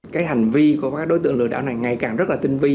cái hành vi của các đối tượng lừa đảo này ngày càng rất là tinh vi